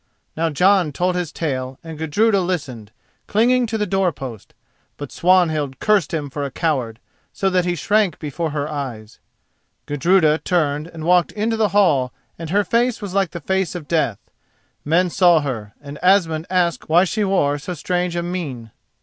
Now Jon told his tale and Gudruda listened, clinging to the door post. But Swanhild cursed him for a coward, so that he shrank before her eyes. Gudruda turned and walked into the hall and her face was like the face of death. Men saw her, and Asmund asked why she wore so strange a mien.